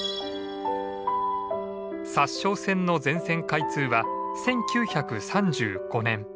札沼線の全線開通は１９３５年。